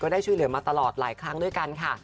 ได้ช่วยเหลือมาตลอดหลายครั้งด้วยกันค่ะ